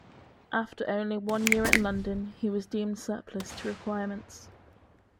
After only one year in London he was deemed surplus to requirements.